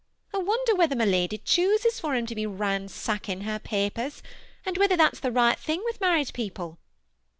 I wonder whether my lady chooses for him to be ran sacking her papers, and whether thaf s the right thing with married people.